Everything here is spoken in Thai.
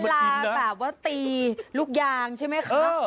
เวลาแบบว่าตีลูกยางใช่ไหมคะ